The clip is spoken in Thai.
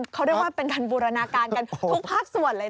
เขาเรียกว่าเป็นการบูรณาการกัน